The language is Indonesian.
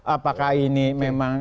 apakah ini memang